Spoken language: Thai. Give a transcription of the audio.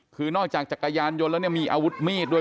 คือนอกจากจักรยานยนต์แล้วเนี่ยมีอาวุธมีดด้วย